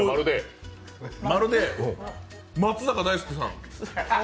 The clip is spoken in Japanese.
まるで松坂大輔さん！